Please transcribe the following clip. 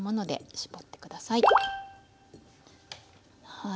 はい。